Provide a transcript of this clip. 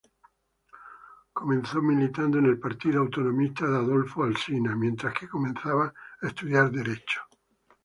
Comenzó militando en el Partido Autonomista de Adolfo Alsina, mientras comenzó a estudiar derecho.